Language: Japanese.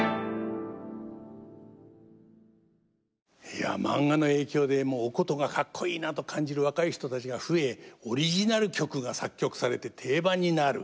いやマンガの影響でお箏がカッコイイなと感じる若い人たちが増えオリジナル曲が作曲されて定番になる。